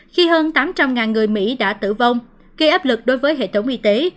khi hơn tám trăm linh người mỹ đã tử vong gây áp lực đối với hệ thống y tế